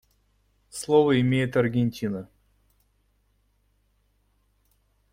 Слово имеет Аргентина.